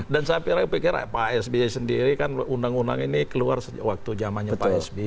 dan saya pikir pak sbi sendiri kan undang undang ini keluar waktu jamannya pak sbi